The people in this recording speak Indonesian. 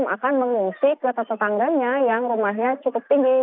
akan mengungsi ke tetangganya yang rumahnya cukup tinggi